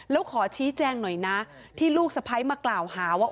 แล้วขอชี้แจงหน่อยนะที่ลูกสะพ้ายมากล่าวหาว่า